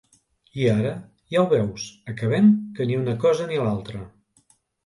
I ara, ja ho veus, acabem que ni una cosa ni l'altra.